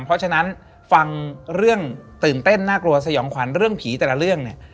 เพราะฉะนั้นฟังเรื่องตื่นเต้นน่ากลัวสยองขวัญเรื่องผีแต่ละเรื่องเนี่ย